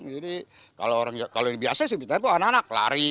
kalau yang biasa sebetulnya anak anak lari